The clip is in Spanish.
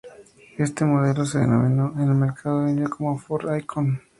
Este modelo se denominó en el mercado indio como Ford Ikon.